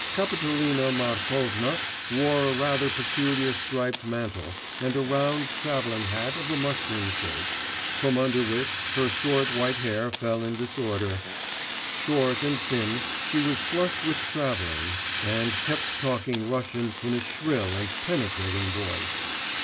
Kapitolina Markovna wore a rather peculiar striped mantle and a round travelling hat of a mushroom shape, from under which her short white hair fell in disorder; short and thin, she was flushed with travelling and kept talking Russian in a shrill and penetrating voice....